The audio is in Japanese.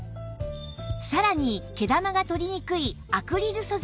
さらに毛玉が取りにくいアクリル素材も